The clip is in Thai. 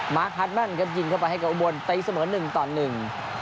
มาร์คฮาร์ดมันก็ยิงเข้าไปให้กับอุบวนตะยิ้งเสมอ๑๑